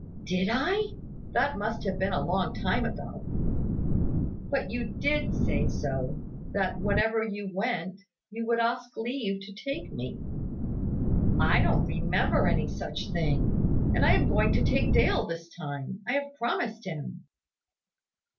"Did I? That must have been a long time ago." "But you did say so, that, whenever you went, you would ask leave to take me." "I don't remember any such thing. And I am going to take Dale this time. I have promised him."